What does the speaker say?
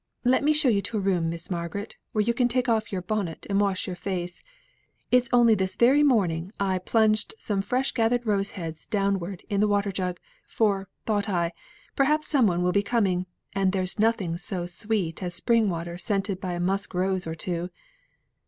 Let me show you to a room, Miss Margaret, where you can take off your bonnet, and wash your face. It's only this very morning I plunged some fresh gathered roses head downward in the water jug, for thought I, perhaps some one will be coming, and there's nothing so sweet as spring water scented by a musk rose or two.